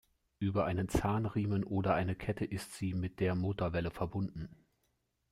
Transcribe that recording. Über einen Zahnriemen oder eine Kette ist sie mit der Motorwelle verbunden.